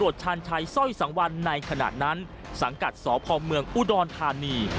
ใช้ส้อยสั่งวันในขณะนั้นสังกัดสพอุดรธานี